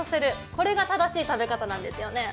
これが正しい食べ方なんですね。